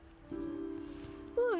dan kayak gitu mbak